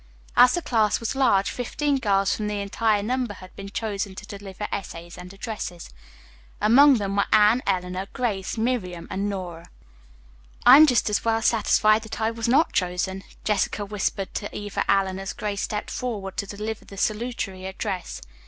As the class was large, fifteen girls from the entire number had been chosen to deliver essays and addresses. Among these were Anne, Eleanor, Grace, Miriam and Nora. "I'm just as well satisfied that I was not chosen," Jessica whispered to Eva Allen, as Grace stepped forward to deliver the salutatory address.